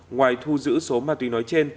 ngoài thu giữ số ma túy nói trên